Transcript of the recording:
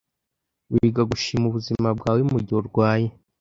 Wiga gushima ubuzima bwawe mugihe urwaye.